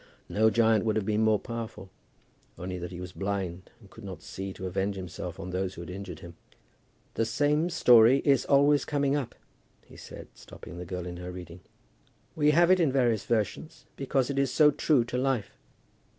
No giant would have been more powerful, only that he was blind, and could not see to avenge himself on those who had injured him. "The same story is always coming up," he said, stopping the girl in her reading. "We have it in various versions, because it is so true to life.